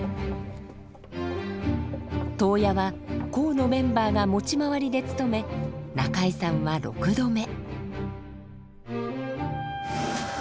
頭屋は講のメンバーが持ち回りで務め中井さんは６度目。